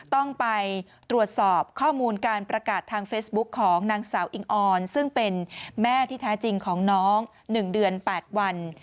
ต้องไปตรวจสอบข้อมูลการประกาศทางเฟซบุ๊คของนางสาวอิงออนซึ่งเป็นแม่ที่แท้จริงของน้อง๑เดือน๘วัน